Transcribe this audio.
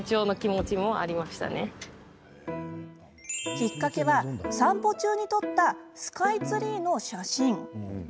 きっかけは、散歩中に撮ったスカイツリーの写真。